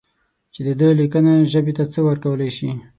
چې د ده لیکنه ژبې ته څه ورکولای شي.